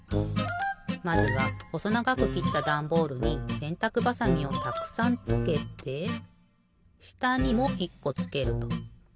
まずはほそながくきったダンボールにせんたくばさみをたくさんつけてしたにも１こつけると。